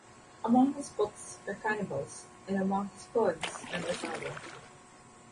Among his books are "Cannibals" and among his poems are "Masada".